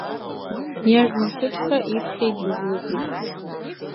Иажәымҭыҽха иԥхьеит дызлыҵыз.